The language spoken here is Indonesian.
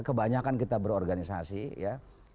kebanyakan kita berorganisasi ya